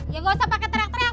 ya nggak usah pakai terak terak